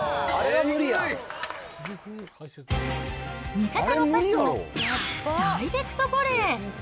味方のパスをダイレクトボレー。